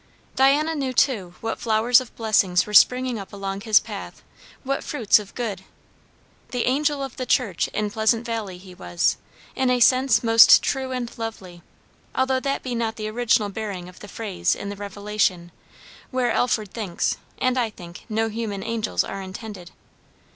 Diana knew, too, what flowers of blessings were springing up along his path; what fruits of good. "The angel of the church" in Pleasant Valley he was, in a sense most true and lovely, although that be not the original bearing of the phrase in the Revelation, where Alford thinks, and I think, no human angels are intended.